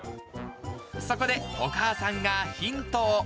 そこで、お母さんがヒントを。